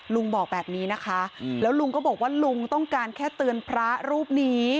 ลุงบอกแบบนี้นะคะแล้วลุงก็บอกว่าลุงต้องการแค่เตือนพระรูปนี้